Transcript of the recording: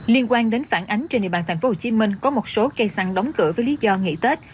liên quan đến phản ánh trên địa bàn tp hcm có một số cây xăng đóng cửa với lý do nghỉ tết